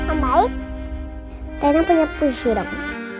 om baik rena punya puisi dong